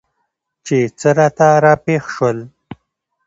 چې څه راته راپېښ شول؟